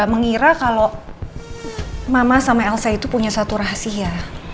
mengira kalau mama sama elsa itu punya satu rahasia